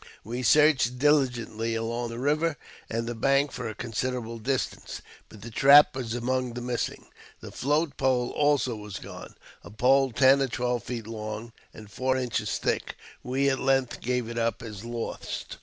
We searched diligently along the river and the bank for a considerable distance, but the trap was among the missing. The float pole also was gone — a pole ten or twelve feet long and four inches thick. We at length gave it up as lost.